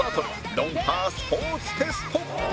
『ロンハー』スポーツテスト